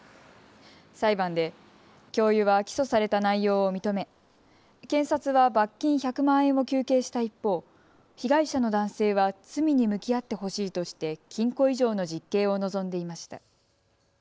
裁判で教諭は起訴された内容を認め検察は罰金１００万円を求刑した一方、被害者の男性は罪に向き合ってほしいとして禁錮以上の実刑を望んでいました。